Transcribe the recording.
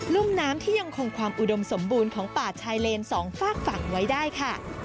ุ่มน้ำที่ยังคงความอุดมสมบูรณ์ของป่าชายเลนสองฝากฝั่งไว้ได้ค่ะ